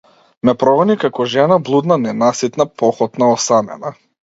Ме прогони како жена блудна, ненаситна, похотна, осамена.